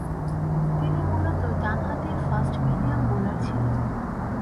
তিনি মূলতঃ ডানহাতি ফাস্ট মিডিয়াম বোলার ছিলেন।